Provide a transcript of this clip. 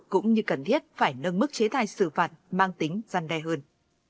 cũng như cần thiết phải nâng mức chế tài xử phạt mang tính gian đe hơn